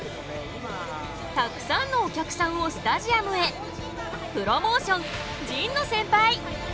たくさんのお客さんをスタジアムへプロモーション陳野センパイ。